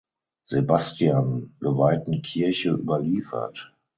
Sebastian geweihten Kirche überliefert.